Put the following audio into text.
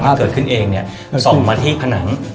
มันเกิดขึ้นเองส่องมาที่ผนัง